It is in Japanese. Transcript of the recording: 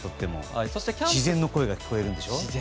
自然の声が聞こえるんでしょ。